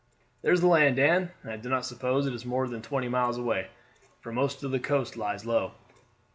"There is the land, Dan; and I do not suppose it is more than twenty miles away, for most of the coast lies low."